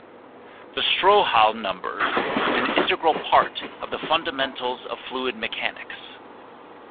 The Strouhal number is an integral part of the fundamentals of fluid mechanics.